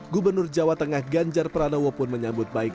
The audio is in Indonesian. gubernur jawa tengah ganjar pranowo pun menyambut baik